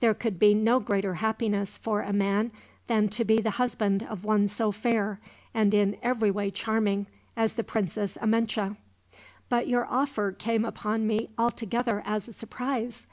There could be no greater happiness, for a man, than to be the husband of one so fair, and in every way charming, as the Princess Amenche; but your offer came upon me altogether as a surprise.